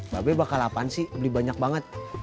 ba bee bakal apaan sih beli banyak banget